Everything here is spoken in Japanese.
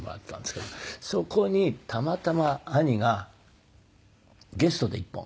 そこにたまたま兄がゲストで一本。